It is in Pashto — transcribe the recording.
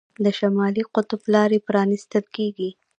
د شمالي قطب لارې پرانیستل کیږي.